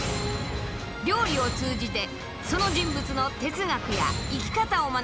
料理を通じてその人物の哲学や生き方を学ぶ